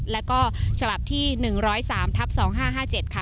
แล้วก็ฉลับที่๑๐๓ทับ๒๕๕๗ค่ะ